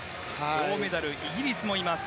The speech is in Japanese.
銅メダル、イギリスもいます。